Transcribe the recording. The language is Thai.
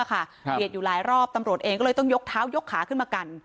อยู่หลายรอบตำรวจเองก็เลยต้องยกเท้ายกขาขึ้นมากัน